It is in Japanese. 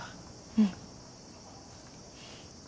うん。